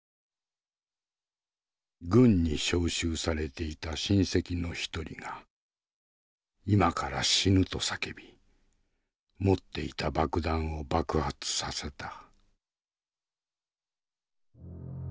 軍に召集されていた親戚の一人が「今から死ぬ」と叫び持っていた爆弾を爆発させた。